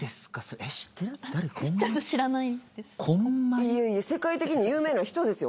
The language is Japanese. いやいや世界的に有名な人ですよ